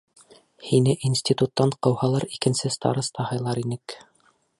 Һине институттан ҡыуһалар, икенсе староста һайлар инек.